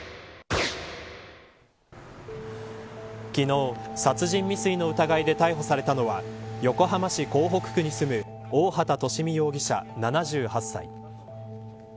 昨日、殺人未遂の疑いで逮捕されたのは横浜市港北区に住む大畑利美容疑者７８歳。